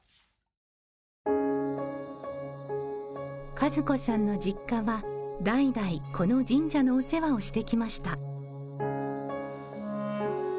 和子さんの実家は代々この神社のお世話をしてきました。